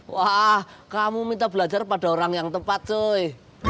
wah kamu minta belajar pada orang yang tepat soy